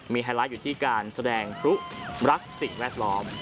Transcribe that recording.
ไฮไลท์อยู่ที่การแสดงพลุรักสิ่งแวดล้อม